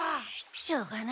しょうがない。